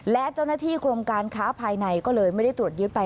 และเจ้าหน้าที่กรมการค้าภายในก็เลยไม่ได้ตรวจยึดไป